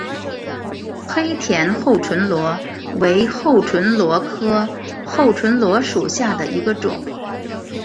黑田厚唇螺为厚唇螺科厚唇螺属下的一个种。